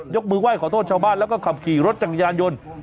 มือไห้ขอโทษชาวบ้านแล้วก็ขับขี่รถจักรยานยนต์